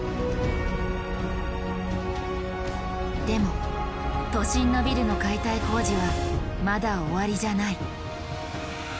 でも都心のビルの解体工事はまだ終わりじゃない。